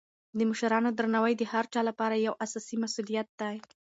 د مشرانو درناوی د هر چا لپاره یو اساسي مسولیت دی.